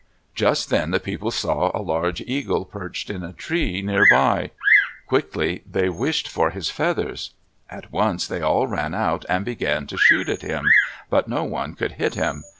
Just then the people saw a large eagle perched in a tree nearby. Quickly they wished for his feathers. At once they all ran out and began to shoot at him, but no one could hit him.